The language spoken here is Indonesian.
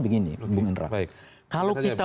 begini bung indra kalau kita